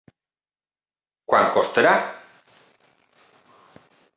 Quant costarà?